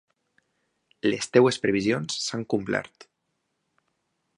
Les teves previsions s'han complert.